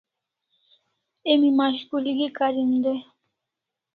Emi mashkulgi karin dai